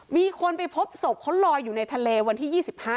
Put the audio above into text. มีคนไปพบศพเขาลอยอยู่ในทะเลวันที่๒๕